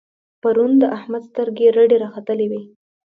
پرون د احمد سترګې رډې را ختلې وې.